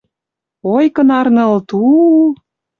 Ой, кынарын ылыт, у-у!..